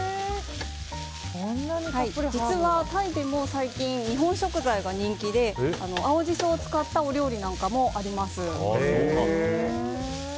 実はタイでも最近、日本食材が人気で青ジソを使ったお料理なんかもあります。